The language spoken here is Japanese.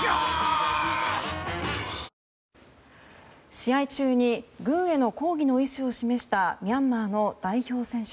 試合中に軍への抗議の意思を示したミャンマーの代表選手。